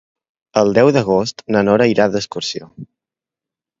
El deu d'agost na Nora irà d'excursió.